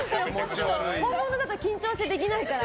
本物だと緊張してできないから。